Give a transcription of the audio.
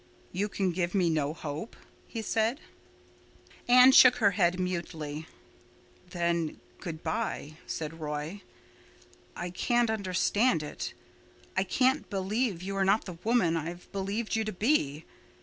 "You can give me no hope?" he said. Anne shook her head mutely. "Then—good bye," said Roy. "I can't understand it—I can't believe you are not the woman I've believed you to be.